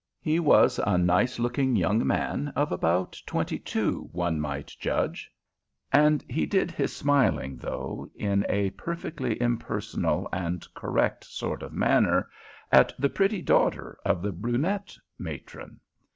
He was a nice looking young man, of about twenty two, one might judge, and he did his smiling, though in a perfectly impersonal and correct sort of manner, at the pretty daughter of the brunette matron.